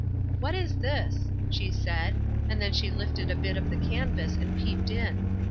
"What is this?" she said, and then she lifted a bit of the canvas and peeped in.